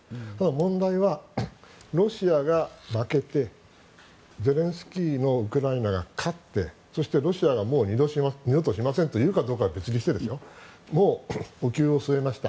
問題はロシアが負けてゼレンスキーのウクライナが勝ってそして、ロシアがもう二度としませんと言うかどうかは別にしてもう、お灸を据えました。